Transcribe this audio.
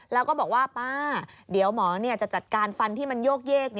แล้วก็บอกว่าป้าเดี๋ยวหมอจะจัดการฟันที่มันโยกเยก